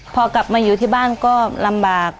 พอกลับมาอยู่ที่บ้านก็ลำบาก